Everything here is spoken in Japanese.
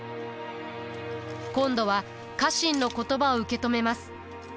今度は家臣の言葉を受け止めます。